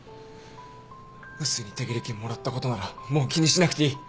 碓井に手切れ金もらったことならもう気にしなくていい。